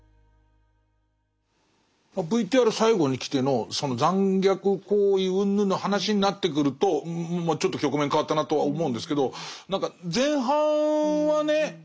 ＶＴＲ最後にきてのその残虐行為うんぬんの話になってくるとまあちょっと局面変わったなとは思うんですけど前半はね